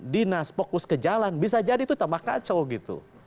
dinas fokus ke jalan bisa jadi itu tambah kacau gitu